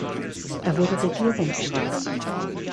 Er wurde Regierungsrat.